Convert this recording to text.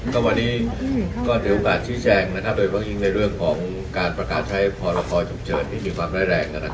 ก็วันนี้ก็เดี๋ยวก่อนชี้แจงนะครับโดยกั่งอิงในเรื่องของการประกาซใช้พรพจุเชิญที่มีความแรงแรง